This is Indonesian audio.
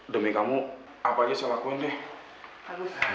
demi kamu apa aja saya lakuin deh